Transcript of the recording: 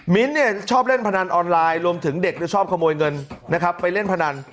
ชอบเล่นพนันออนไลน์รวมถึงเด็กชอบขโมยเงินนะครับไปเล่นพนัน